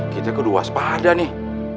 kita kedua sepada nih